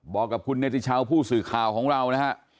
บอกกับคุณเนติชาวผู้สื่อข่าวของเรานะฮะ